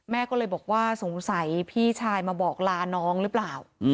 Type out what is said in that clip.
แม่ก็เลยบอกว่าสงสัยพี่ชายมาบอกลาน้องหรือเปล่า